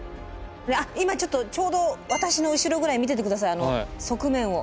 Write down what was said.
あっ今ちょっとちょうど私の後ろぐらい見てて下さい側面を。